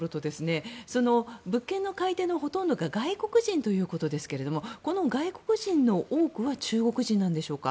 物件の買い手のほとんどが外国人ということですけどこの外国人の多くは中国人なんでしょうか。